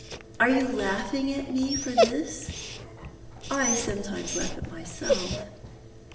Are you laughing at me for this? I sometimes laugh at it myself."